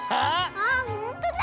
あっほんとだ。